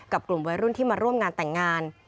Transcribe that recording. กลุ่มวัยรุ่นที่มาร่วมงานแต่งงาน